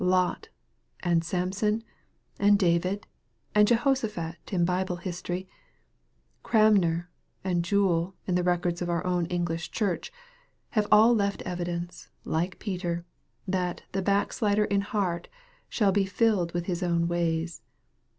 Lot, and Samson, and David, and Jehoshaphat in Bible history Cranmer and Jewell in the records of our own English Church have all left evidence, like Peter, that " the backslider in heart shall be rilled with his own ways."